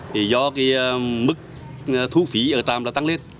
thì do cái mức thu phí ở trạm đã tăng lên